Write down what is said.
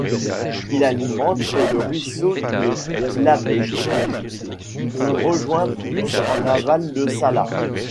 Il alimente le ruisseau de Labégé, qui rejoint plus en aval le Salat.